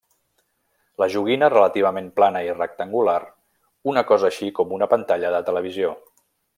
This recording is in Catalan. La joguina relativament plana i rectangular, una cosa així com una pantalla de televisió.